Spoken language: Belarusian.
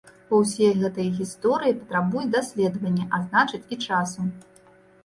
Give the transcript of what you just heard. Бо ўсе гэтыя гісторыі патрабуюць даследавання, а значыць, і часу.